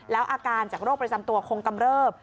แล้วอาการจากโรคประจำตัวคงกำเริบ